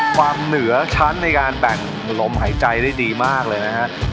ความเหนือชั้นในการแบ่งลมหายใจได้ดีมากเลยนะฮะ